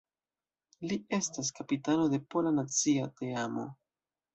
Li estas kapitano de pola nacia teamo.